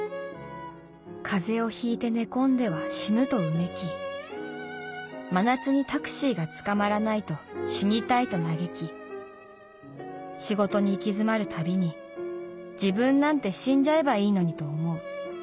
風邪をひいて寝込んでは死ぬと呻き真夏にタクシーがつかまらないと死にたいと嘆き仕事に行き詰まるたびに自分なんて死んじゃえばいいのにと思う。